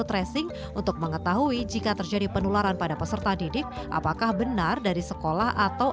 tracing untuk mengetahui jika terjadi penularan pada peserta didik apakah benar dari sekolah atau